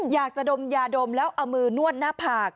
อยากจะดมยาดมแล้วเอามือนวดหน้าผาก